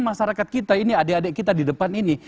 masyarakat kita ini adik adik kita di depan ini